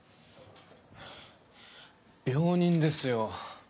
病人ですよ。